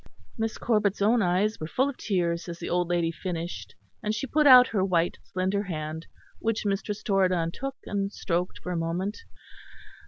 Miss Corbet's own eyes were full of tears as the old lady finished: and she put out her white slender hand, which Mistress Torridon took and stroked for a moment.